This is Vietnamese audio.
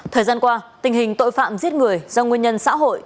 thời gian qua tình hình tội phạm giết người do nguyên nhân xã hội